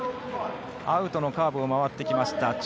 アウトのカーブを回ってきました。